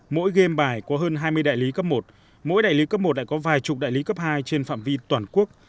mỗi game bài có hơn hai mươi đại lý cấp một mỗi đại lý cấp một lại có vài chục đại lý cấp hai trên phạm vi toàn quốc